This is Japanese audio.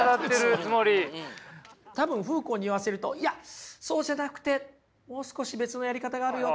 多分フーコーに言わせると「いやそうじゃなくてもう少し別のやり方があるよ」。